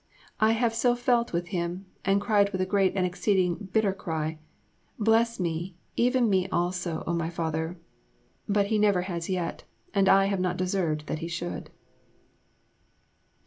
I have so felt with him, and cried with a great and exceeding bitter cry, Bless me, even me also, O my Father; but He never has yet, and I have not deserved that He should.